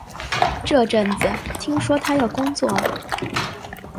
这阵子听说他要工作了